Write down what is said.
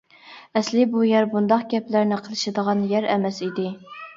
ئەسلى بۇ يەر بۇنداق گەپلەرنى قىلىشىدىغان يەر ئەمەس ئىدى.